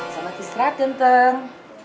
sama istirahat genteng